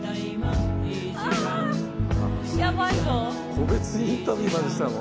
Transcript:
個別インタビューまでしたの？